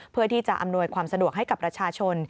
เพื่อที่จะอำนวยความสะดวกให้กับรัชชน